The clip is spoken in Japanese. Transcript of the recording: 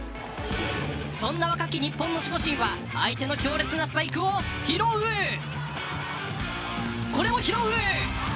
そんな若き日本の守護神は相手の強烈なスパイクを拾うこれも拾う。